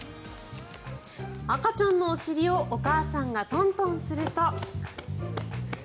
赤ちゃんのお尻をお母さんがトントンすると。